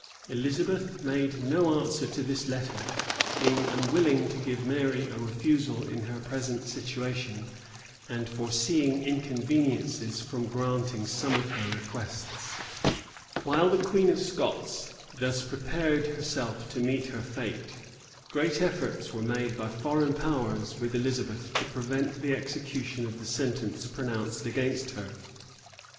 [*] Elizabeth made no answer to this letter; being unwilling to give Mary a refusal in her present situation, and foreseeing inconveniencies from granting some of her requests. * Camden p. 529. Jebb, vol. ii. p. 295. While the queen of Scots thus prepared herself to meet her fate, great efforts were made by foreign powers with Elizabeth to prevent the execution of the sentence pronounced against her.